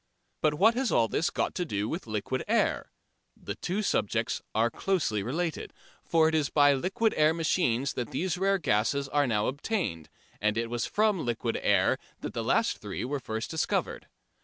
But what has all this got to do with liquid air? The two subjects are closely related, for it is by liquid air machines that these rare gases are now obtained, and it was from liquid air that the last three were first discovered.